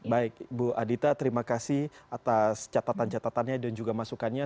baik bu adita terima kasih atas catatan catatannya dan juga masukannya